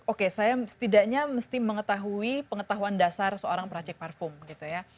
oke saya setidaknya mesti mengetahui pengetahuan dasar seorang prajek parfum gitu ya